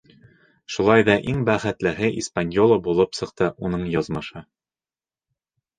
Шулай ҙа иң бәхетлеһе «Испаньола» булып сыҡты, уның яҙмышы: